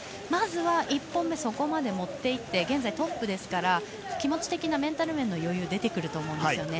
まずは１本目そこまで持っていって現在トップですから気持ち的なメンタル面の余裕が出てくると思います。